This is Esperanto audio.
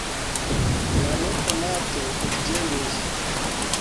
La nekonato ekĝemis.